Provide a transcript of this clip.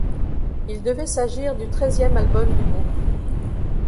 Il devait s'agir du treizième album du groupe.